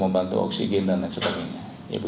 membantu oksigen dan lain sebagainya